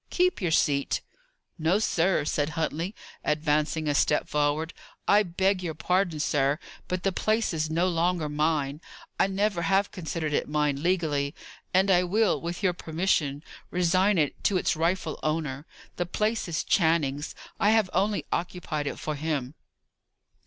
Keep your seat." "No, sir," said Huntley, advancing a step forward. "I beg your pardon, sir, but the place is no longer mine. I never have considered it mine legally, and I will, with your permission, resign it to its rightful owner. The place is Channing's; I have only occupied it for him."